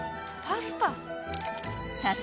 パスタ？